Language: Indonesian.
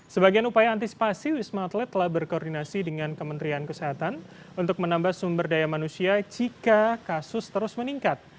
sebagian upaya antisipasi wisma atlet telah berkoordinasi dengan kementerian kesehatan untuk menambah sumber daya manusia jika kasus terus meningkat